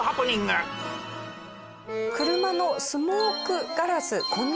車のスモークガラス。